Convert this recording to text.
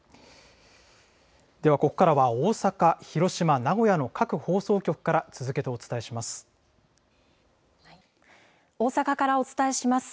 ではここからは大阪、広島、名古屋の各放送局から続けてお伝えし大阪からお伝えします。